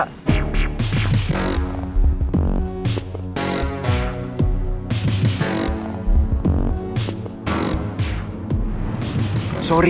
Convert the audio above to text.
tapi gue beneran sayang sama rara